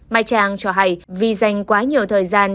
mai trang cho hay vì dành quá nhiều thời gian